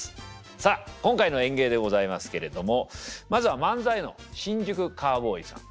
さあ今回の演芸でございますけれどもまずは漫才の新宿カウボーイさん。